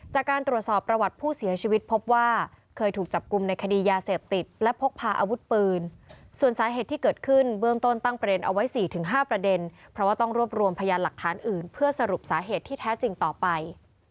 จากการตรวจสอบประวัติผู้เสียชีวิตพบว่าเคยถูกจับกลุ่มในคดียาเสพติดและพกพาอาวุธปืนส่วนสาเหตุที่เกิดขึ้นเบื้องต้นตั้งประเด็นเอาไว้๔๕ประเด็นเพราะว่าต้องรวบรวมพยานหลักฐานอื่นเพื่อสรุปสาเหตุที่แท้จริงต่อไป